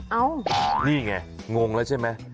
นี่ไงงงแล้วใช่ไหม